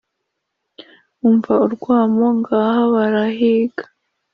umva urwamo, ngaha barahiga :